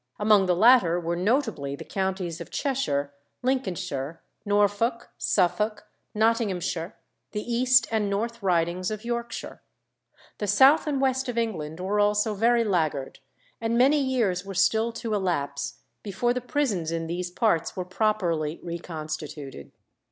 Among the latter were notably the counties of Cheshire, Lincolnshire, Norfolk, Suffolk, Nottinghamshire, the East and North Ridings of Yorkshire. The south and west of England were also very laggard, and many years were still to elapse before the prisons in these parts were properly reconstituted.